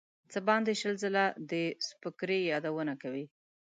څه باندې شل ځله د سُبکري یادونه کوي.